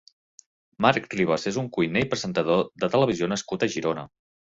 Marc Ribas és un cuiner i presentador de televisió nascut a Girona.